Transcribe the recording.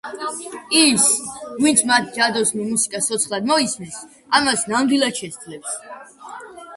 ის, ვინც მათ ჯადოსნურ მუსიკას ცოცხლად მოისმენს, ამას ნამდვილად შეძლებს.